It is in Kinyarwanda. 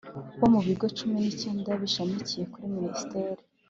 bo mu Bigo cumi n icyenda bishamikiye kuri Minisiteri